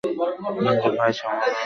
না রে ভাই, সামনের কাঁচে রং মারিস না।